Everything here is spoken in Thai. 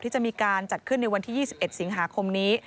ที่จะมีการจัดขึ้นในวันที่๒๑สิงหาคมนี้